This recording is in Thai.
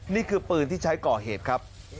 นี่คือปืนที่ใช้ก่อเหตุครับ